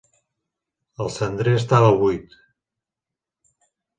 El cendrer estava buit.